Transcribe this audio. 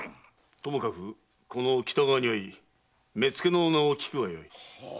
ともかくこの北川に会い目付の名を聞くがよい。